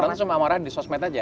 orang itu cuma marah di sosmed aja